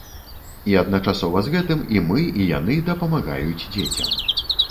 І адначасова з гэтым, і мы, і яны дапамагаюць дзецям.